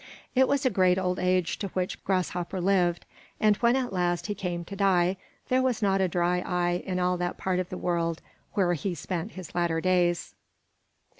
It was a great old age to which Grasshopper lived, and when at last he came to die, there was not a dry eye in all that part of the world where he spent his latter days.